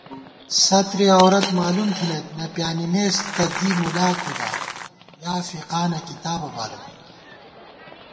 سترِ عورت مالُوم تھنَئیت، نہ پیانِمېس تہ دی مُلاکُھدا یافِقانہ کِتابہ بالہ